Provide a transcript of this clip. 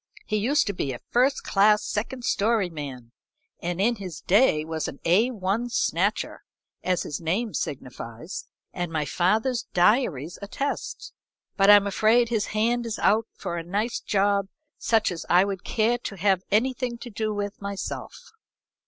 He used to be a first class second story man, and in his day was an A 1 snatcher, as his name signifies and my father's diaries attest, but I'm afraid his hand is out for a nice job such as I would care to have anything to do with myself."